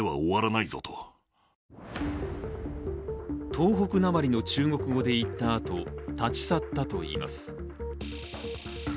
東北なまりの中国語で言ったあと立ち去ったといいます。